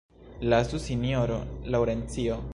Lasu, sinjoro Laŭrencio!